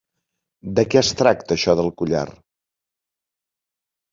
De què es tracta això del collar?